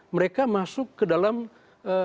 mereka masuk ke dalam ee